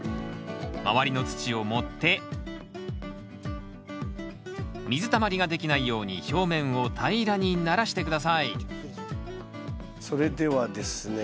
周りの土を盛って水たまりができないように表面を平らにならして下さいそれではですね